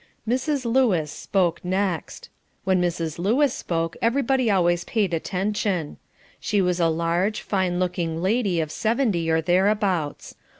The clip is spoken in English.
Mrs. Lewis spoke next. When Mrs. Lewis spoke everybody always paid attention. She was a large, fine looking lady of seventy or thereabouts.